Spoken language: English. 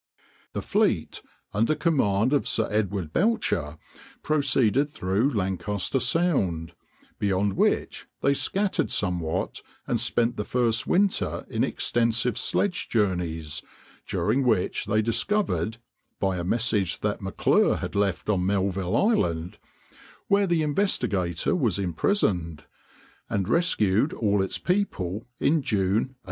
The fleet, under command of Sir Edward Belcher, proceeded through Lancaster Sound, beyond which they scattered somewhat, and spent the first winter in extensive sledge journeys, during which they discovered (by a message that M'Clure had left on Melville Island) where the Investigator was imprisoned, and rescued all its people in June, 1853.